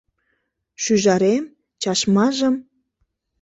— Шӱжарем, чашмажым...